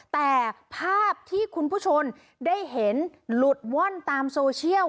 แต่ภาพที่คุณผู้ชมได้เห็นหลุดว่อนตามโซเชียล